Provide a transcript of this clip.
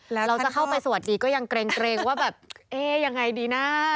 เราจะเข้าไปสวัสดีก็ยังเกรงว่าแบบเอ๊ยังไงดีนะ